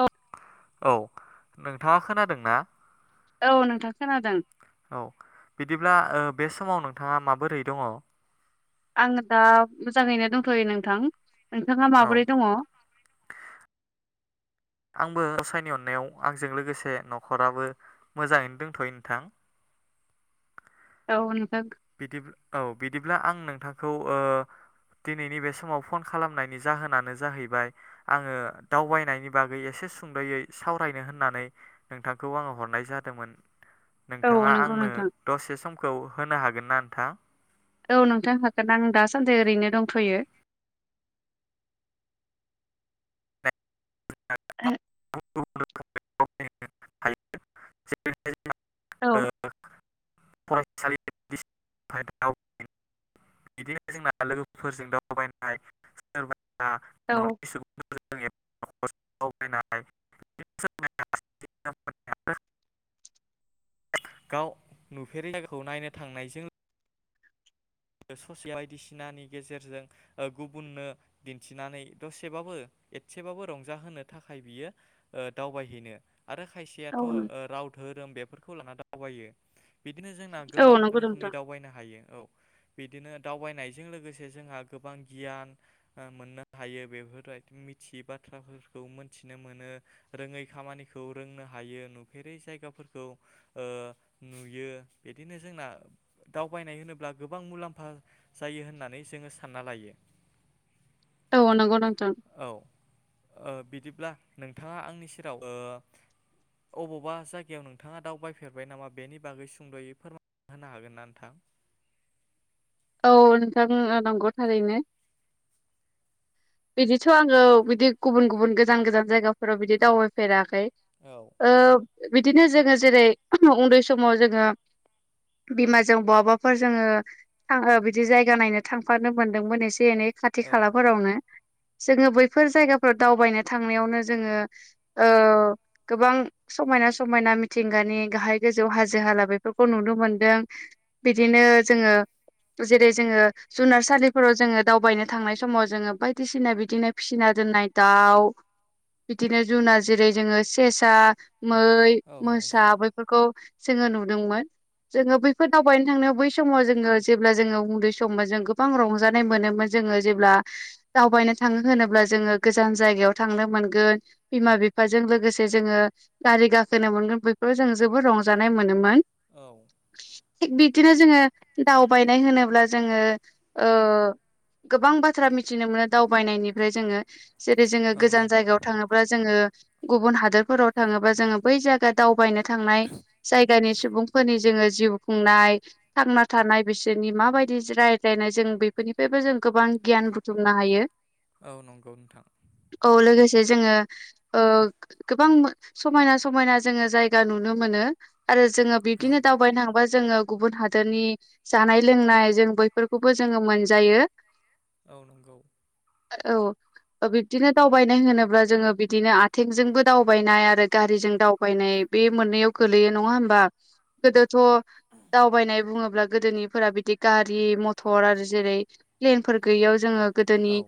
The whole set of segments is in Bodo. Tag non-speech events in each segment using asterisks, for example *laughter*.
औ औ नोंथाङा खोनादों ना औ नोंथां खोनादों अब्ला ओ बे समाव नोंथाङा माबोरै दङ आं दा मोजाङैनो दंथ'यो नोंथां नोंथाङा औ माबोरै दङ नि अननायाव आंजों लोगोसे न'खराबो मोजाङैनो दंथ'योै नोंथां औ नोंथां बिदि औ बिदिब्ला आं नोंथांखौ ओ दिनैनि बे समाव फन खालामनायनि जाहोनानो जाहैबाय आङो दावबायनायनि बागै एसे से सुंद'यै सावरायनो होननानै नोंथांखौ आङो हरनाय जादोंमोन औ नोंथाङा नंगौ आंनो नोंथां दसे समखौ होनो हागोन ना नोंथां औ नोंथां हागोन आं दासान्दि ओरैनो दंथ'यो ज *unintelligible* औ *unintelligible* फरायसालि *unintelligible* बिदिनो जोंना लोगोफोरजों दावबायनाय सोरबा औ न'नि सुबुं *unintelligible* गाव नुफेरै जायगाखौ नायनो थांनायजों ससे बायदिसिनानि गेजेरजों गुबुननो दिन्थिनानै दसेबाबो एसेबाबो रंजाहोनो थाखाय बियो दावबायहैनो आरो खायसेयाथ' औ राव धोरोम बेफोरखौ लाना दावबायो बिदिनो जोंना औ गोबां नंगौ रोखोमनि नोंथां दावबायनो हायो औ बिदिनो दावबायनायजों लोगोसे जोंहा गोबां गियान मोननो हायो बेफोरबायदि मिथियि बाथ्राफोरखौ मोनथिनो मोनो रोङै खामानिखौ रोंनो हायो नुफेरै जायगा फोरखौ ओ नुयो बिदिनो जोंना दावबायनाय होनोब्ला गो गोबां मुलाम्फा जायो होननानै जोङो सानना लायो औ नंगौ नोंथां औ बिदि ब्ला नोंथाङा आंनि सेराव ओ अबावबा जायगायाव नोंथाङा दावबायफेरबाय नामा बेनि बागै सुंद'यै फोरमाय होनो हागोन ना नोंथां औ नोंथां नंगौ थारैनो बिदिथ' आङो बिदि गुबुन गुबुन गोजान गोजान जायगाफोराव बिदि दावबायफेराखै औ ओ बिदिनो जोङो जेरै उन्दै समाव जोङो बिमाजों बहाबाफोर जोङो आं बिदि जायगा नायनो थांफानो मोन्दोंमोन एसे एनै औ खाथि खालाफोरावनो जोङो बैफोर जायगाफोराव दावबायनो थांनायावनो जोङो ओ गोबां समाय समायना समायना मिथिंगानि गाहाय गोजौ हाजो हाला बेफोरखौ नुनो मोनदों बिदिनो जोङो जेरै जोङो जुनारसालिफोराव जोङो दावबायनो थांनाय समाव जोङो बायदिसिना बिदिनो फिसिनाय दोननाय दाउ बिदिनो जुुनाद जेरै जोङो सेसा मै औ मोसा नंगौ बैफोरखौ जोङो नु दोंमोन जोङो बैफोर दावबायनो थांनो बै समाव जोङो जेब्ला जोङो उन्दै सममोन जों गोबां रंजानाय मोनोमोन जोङो जेब्ला दावबायनो थाङो होनोब्ला जोङो गोजान जायगायाव थांनो मोनगोन बिमा बिफाजों लोगोसे जोङो गारि गाखोनो मोन बेखौ जों जोबोद रंजानाय मोनोमोन। औ थिग बिदिनो जोङो दावबायनाय होनोब्ला जोङो ओ गोबां बाथ्रा मिथिनो मोनो दावबायनायनिफ्राय जोङो जेरै जोङो औ गोजान नंगौ जायगायाव थाङोब्ला जोङो गुबुन हादोरफोराव थाङोबा जोङो बै जायगा दावबायनो थांनाय जायगानि सु बुंफोरनि जोङो जिउ खुंनाय थांना थानाय बिसोरनि माबायदि रायज्लायनाय जों बेफोरनिफ्रायबो जों गोबां गियान बुथुमनो हायो। औ नंगौ नोंथां जे जोङो ओ गोबां समायना समायना जोङो जायगा नुनो मोनो। आरो जोङो औ बिब्दिनो दावबायनो थांबा जोङो गुबुन हादरनि जानाय लोंनाय जों बैफोरखौबो जोङो मोनजायो औ नंगौ औ ओ बिब्दिनो दावबायनाय होनोब्ला जोङो बिदिनो आथिंजोंबो दावबायनाय आरो गारिजों दावबायनाय बे मोननैयाव गोलैयो नङा होमबा गोदोथ' दावबायनाय बुङोब्ला गोदोनिफोरा बिदि गारि मथर आरो जेरै प्लेनफोर गैयियाव जोङो गोदोनि औ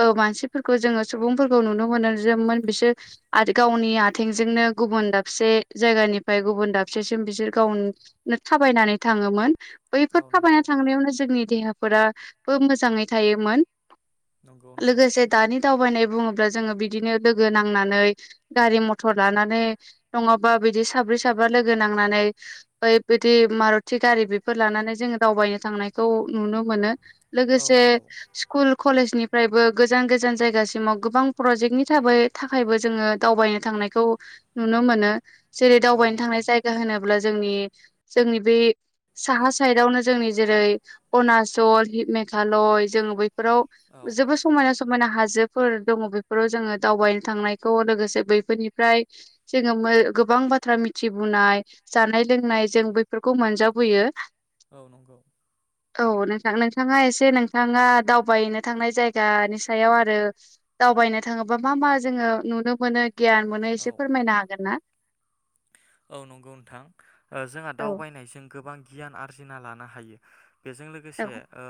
ओ मानसि फोरखौ जोङो सुबुंफोरखौ नुनो मोनो जोन बिसोर गावनि आथिंजोंनो गुबुन दाबसे जायगानिफ्राय गुबुन दाबसेसिम बिसोर गावनो थाबायनानै थाङोमोन औ बैफोर थाबायना नंगौ थांनायावनो जोंनि देहाफोराबो मोजाङै थायोमोन नंगौ नोंथां लोगोसे दानि दावबायनाय बुङोब्ला जोङो बिदिनो लोगो नांनानै गारि मटर लानानै नङाबा बिदि सा ब्रै साबा लोगो नांनानै बै बिदि मारुथि गारि बि फोर लानानै जोङो दावबायनो थांनायखौ नुनो मोनो औ लोगोसे नंगौ स्कुल कलेजनि फ्रायबो गोजान गोजान जायगासिमाव गोबां प्रजेक्टनि थाबै थाखायबो जोङो दावबायनो थांनायखौ नुनो मोनो। जेरै- औ दावबायनो नंगौ थांनाय जायगा होनोब्ला जोंनि जोंनि बै साहा साइदावनो जोंनि जेरै अरुणचल हि मेघालय जोङो बै फोराव औ जेबोद समायना स मायना हाजोफोर दङ बेफोराव जोङो दावबायनो थांनायखौ लोगोसे बैफोरनिफ्राय जोङो ओ गोबां बाथ्रा मिथिबोननाय जानाय लोंनाय जों बैफोरखौ मोनजाबोयो औ नंगौ औ नोंथां नोंथाङा एसे नोंथाङा दावबायनो थांनाय जायगानि सायाव आरो दावबायनो थाङोबा मा मा जोङो नुनो मोनो गियान मोनो एसे औ फोरमायनो हागोन ना? औ नंगौ नोंथां ओ जोंहा औ दावबायनायजों गोबां गियान आरजिना लानो हायो। बेजों औ लोगोसे ओ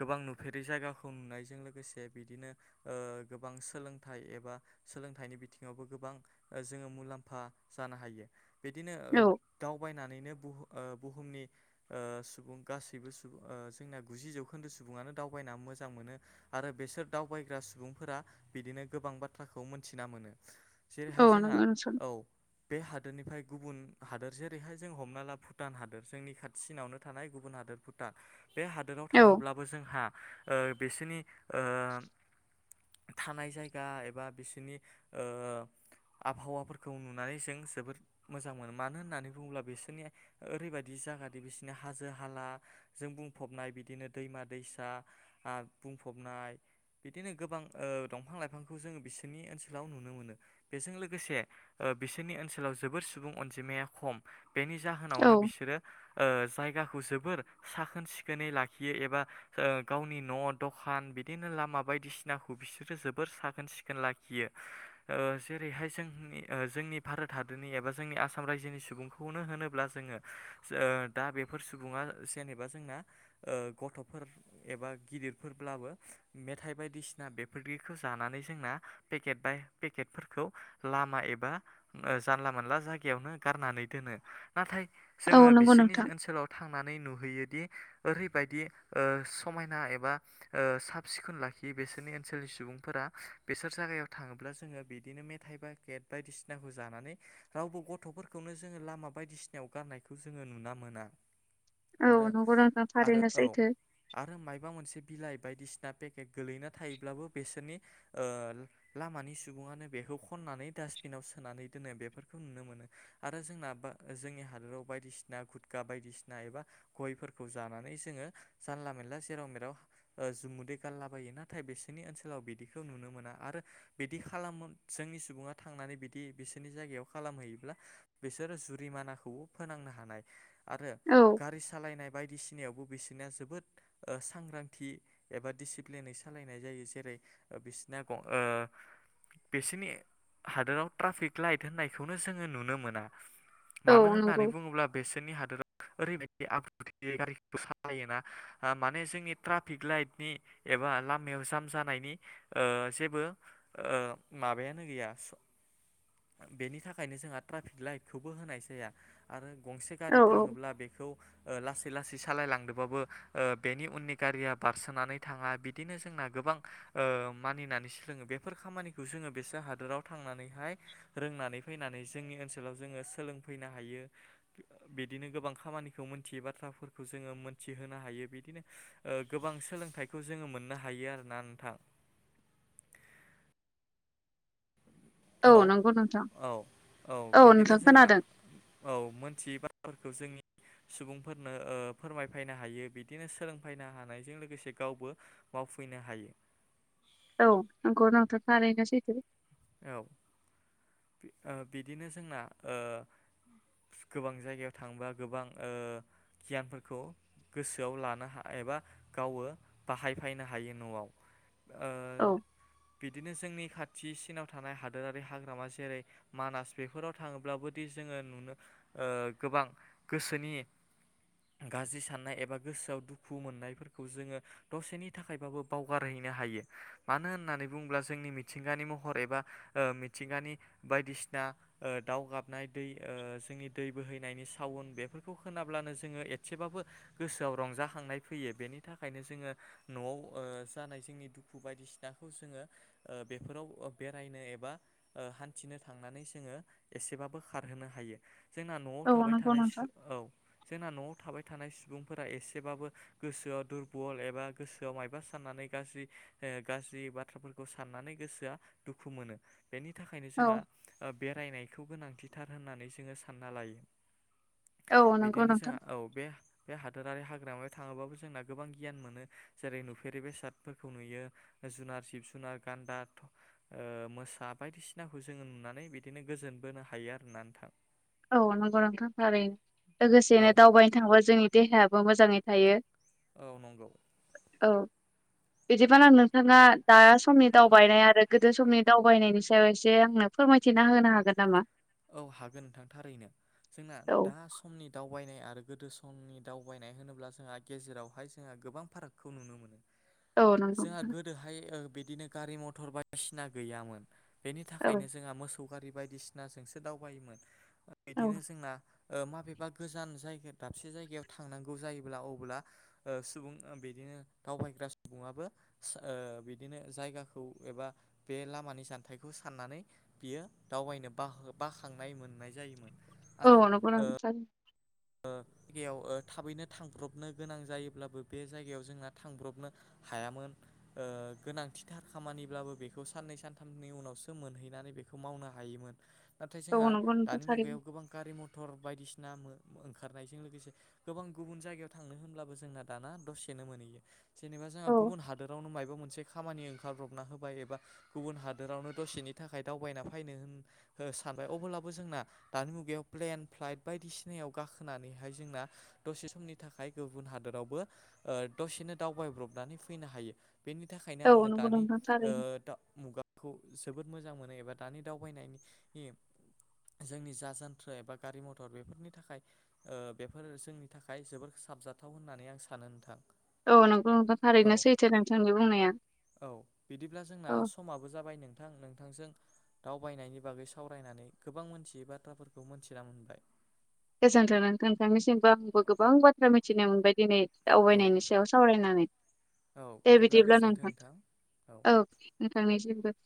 गोबां नुफेरै जायगाखौ नुनायजों लोगोसे बिदिनो ओ गोबां सोलोंथाइ एबा सोलोंथाइनि बिथिङावबो गोबां ओ जोङो मुलाम्फा जानो हायो। बिदिनो औ दावबायना नैनो बुहु ओ बुहुमनि ओ सुबुं गासैबो सुबुं जोंना गुजि जौखोन्दो सुबुङानो दावबायना मोजां मोनो आरो बेसोर दावबायग्रा सुबुंफोरा बिदिनो गोबां बाथ्राखौ मोनथिना मोनो। औ जेरैहाय जोंहा नंगौ नोंथां औ बे हा दोरनिफ्राय गुबुन हादोर जेरैहाय जों हमना ला भुटान हादोर जोंनि खाथिसिनावनो थानाय गुबुन हादोर भुटान। बे हादोराव औ थाङोब्लाबो जोंहा ओ बिसोरनि ओ थानाय जायगा एबा बिसिनि ओ आबहावाफोरखौ नुनानै जों जोबोद मोजां मोनो मानो होननानै बुङोब्ला बिसोरनिया ओरैबायदि जागादि बिसोरनि हाजो हाला जों बुंफबनाय बिदिनो दैमा दैसा ओ बुंफबनाय बिदिनो गोबां ओ दंफां लाइफांखौ जोङो बिसोरनि ओनसोलाव नुनो मोनो बेजों लोगोसे ओ ओ बिसिनि ओनसो लाव जोबोर सुबुं अनजिमाया खम बेनि औ जाहोनावनो बिसोरो जायगाखौ जो बोर साखोन सिखोनै लाखियो एबा ओ गावनि न' दखान बिदिनो लामा बायदिसि नाखौ बिसोरो जोबोर साखोन सिखोन लाखियो। ओ जेरैहाय जोंनि जोंनि भारत हादोरनि एबा जोंनि आसाम रायजोनि सुबुंखौनो होनोब्ला जोङो ओ दा बेफोर सुबुङा जेनेबा जोंना ओ गथ'फोर एबा गिदिरफोरब्लाबो मेथाइ बायदिसिना बेफोरखौ जानानै जोंना पेकेट बाय पेकेटफोरखौ लामा एबा जानला मोनला जायगायावनो गारनानै दोनो नाथाय औ जोङो नंगौ बिसोरनि नोंथां ओनसोलाव थां नानै नुहैयोदि ओरैबायदि ओ समायना एबा ओ साब सिखोन लाखियो बेसोरनि ओनसोलनि सुबुंफोरा बेसोर जायगायाव थाङोब्ला जोङो बिदिनो मेथाइ बा गेट बायदिसिना खौ जानानै रावबो गथ'फोरखौनो जोङो लामा बायदिसिनायाव गारनायखौ जोङो नुना मोना औ आरो नंगौ नोंथां आरो थारैनो औ सैथो आरो मायबा मोनसे बिलाइ बायदिसिना पेकेट गोलैना थायोब्लाबो बिसोरनि ओ लामानि सुबुङनो बेखौ खन नानै दा सबिनाव सोनानै दोनो बेफोरखौ नुनो मोनो आरो जोंना बा जोंनि हादोराव बायदिसिना गुदका बाय बायदिसिना एबा गयफोरखौ जानानै जोङो जानला मेनला जेराव मेराव जुमुदै गारला लाबायो नाथाय बिसोरनि ओनसोलाव बिदिखौ नुनो मोना आरो बिदि खालाम जोंनि सुबुङा थांनानै बिदि बिसोरनि जायगायाव खालामहैयोब्ला बिसोरो जुरिमानाखौबो फोनांनो हानाय आरो औ गारि सालायनाय बायदिसिनायावबो बिसोरनाया जोबोद ओ सांग्रांथि एबा डसिप्लिनै सालायनाय जायो जेरै बिसना ग ओ बिसोरनि हादोराव ट्राफिक लाइट होननायखौनो जोङो नुनो मोना औ मानो होननानै नंगौ बुङोब्ला बेसोरनि हादोराव ओरैबायदि गारि सालायोना माने जोंनि ट्राफिक लाइटनि एबा लाम याव जाम जानायनि ओ जेबो ओ माबायानो गैया बेनि थाखायनो जोंहा ट्राफिक लाइटखौबो होनाय जाया आरो गंसे औ गारि औ थाङोब्ला बेखौ ओ लासै लासै सालायलांदोंबाबो ओ बेनि उननि गारिया बारसोनानै थाङा बिदिनो जोंना गोबां ओ मानिनानै सोलोङो बेफोर खामानिखौ जोङो बेसोर हादोराव थांनानैहाय रोंनानै फैनानै जोंनि ओनसोलाव जोङो सोलोंफैनो हायो बिदिनो गोबां खामानिखौ मोनथियै बाथ्राफोरखौ जोङो मोनथिहोनो हायो बिदिनो ओ गोबां सोलोंथाइखौ जोङो मोननो हायो आरोना नोंथां *unintelligible* औ नंगौ नों औ औ बिदिनो जोंना औ मोनथियै बाथफोरखौ जोंनि सुबुंफोरनो ओ फोरमायफायनो हायो बिदिनो सोलोंफैनो हानायजों लोगोसे गावबो मावफैनो हायो औ नंगौ नोंथान थारैनो सैथो औ बि- ओ बिदिनो जोंना ओ गोबां जायगायाव थांबा गोबां ओ गियानफोरखौ गोसोआव लानो हा एबा गावो बाहायफायनो हायो न'आव औ बिदिनो जोंनि खाथिसिनाव थानाय हादोरारि हाग्रामा जेरै मानास बेफोराव थाङोब्लाबोदि जोङो नुनो ओ गोबां गोसोनि गाज्रि साननाय एबा गोसोआव दुखु मोननायफोरखौ जोङो दसेनि थाखायबाबो बावगारहै नो हायो मानो होननानै बुंब्ला जोंनि मिथिंगानि महर एबा ओ मिथिंगानि बायदिसिना ओ दाउ गाबनाय दै ओ जोंनि दै बोहैनायनि साउवन बेफोरखौ खोनाब्लानो जोङो एसेबाबो गोसोआव रंजाखांनाय फैयो बेनि थाखायनो जोङो न'आव ओ जानाय जोंनि दुखु बायदिसिनाखौ जोङो ओ बेफोराव बे बेरायनो एबा ऐ हान्थिनो थांनानै जोङो एसेबाबो खारहोनो हायो जोंना न'आव औ थाबाय नंगौ थाना नोंथां सु औ जोंना न'आव थाबाय थानाय सुबुंफोरा एसेबाबो गोसोआव दुरबल एबा गोसोआव मायबा साननानै गाज्रि गाज्रि बाथ्राफोरखौ साननानै गोसोआ दुखु मोनो बेनि थाखायनो औ जोंहा बेरायनाय खौ गोनांथिथार होननानै जोङो सानना लायो औ नंगौ बिदिनो नोंथां जोंहा औ बे बे हादोरारि हाग्रामायाव थाङोबाबो जोंना गोबां गियान मोनो जेरै नुफेरै बेसादफोरखौ नुयो। जुनार, सिब-जुनार, गान्दा, मोसा बायदिसिनाखौ जोङो नुनानै बिदिनो गोजोन बोनो हायो आरोना नोंथां। औ नंगौ नोंथां थारैनो औ लोगोसेनो दावबायनो थांबा जोंनि देहायाबो मोजाङै थायो। औ नंगौ बिदिबानो नोंथाङा दा समनि दावबायनाय आरो गोदो समनि दावबायनायनि सायाव एसे आंनो फोरमाय मिथिना होनो हागोन नामा? औ हागोन नोंथां थारैनो जोंना औ दा समनि दाउ दावबायनाय आरो गोदो समनि दावबायनाय होनोब्ला जोंहा गेजेरावहाय जोंहा गोबां फारागखौ नुनो मोनो। औ नंगौ जोंहा नोंथां गोदोहाय बिदिनो गारि मथर बायदिसिना गैयामोन बेनि औ थाखायनो जोंहा मोसौ गारि बायदिसिनाजोंसो दावबायोमोन बिदिनो औ जोंना माबेबा गोजान जायगा दाबसे जायगायाव थांनांगौ जायोब्ला अब्ला ओ सुबुं बिदिनो दावबायग्रा सुबुङाबो ओ बिदिनो जायगाखौ एबा बे लामानि जानथाइखौ साननानै बियो दावबायनो बाखां बाखांनाय मोननाय जायोमोन। औ आरो नंगौ ओ नोंथां जायगायाव थाबैनो थांब्रबनो गोनां जायोब्लाबो बे जायगायाव जोंना थांब्रबनो हायामोन गोनांथिथार खामानिब्लाबो बेखौ साननै सानथामनि उनावसो मोनहैनानै बेखौ मावनो हायोमोन नाथाय जोंहा औ नंगौ नोंथां दानि मुगायाव थारैनो गोबां गारि मथर बायदिसिना ओंखारनायजों लोगोसे गोबां गुबुन जायगायाव थांनो होनब्लाबो जोंना दाना दसेनो मोनहैयो जेनेबा दा जोंहा औ गुबुन हादोरावनो माबबा मोनसे खामानि ओंखारब्रबना होबाय एबा गुबुन हादोरावनो दसेनि थाखाय दावबायना फैनो सानबाय अब्लाबो जोंना दानि मुगायाव प्लेन फ्लाइट बायदिसिना नाय गाखोनानैहाय जोंना दसे समनि थाखाय गुबुन हादोरावबो दसेनो दावबाय थांब्रबनानै फैनो हायो बेनि थाखायनो औ आङो नंगौ दानि नोंथां थारैनो मुगायाव खौ जोबोद मोजां मोनो एबा दानि दावबायनायनि जोंनि जा जान्थ्र एबा गारि मथर बेफोरनि थाखाय बेफोर जोंनि थाखाय जोबोर साबजाथाव होननानै आं सानो नोंथां। औ नोंखौ नोंथां औ थारैनो सैथो नोंथांनि बुंनाया औ बिदिब्ला जोंना औ समाबो जाबाय नों नोंथां नोंथांजों दावबायनायनि बागै सावरायनानै गोबां मोनथियै बाथ्राफोरखौ मोनथिना मोनबाय। गोजोनथों नोंथांनिसिमबो आंबो गोबां बाथ्रा मिथिनो मोनबाय। दिनै औ दावबायनायनि सायाव सावरायनानै दे बिदिब्ला नोंथां औ नोंथांनिसिमबो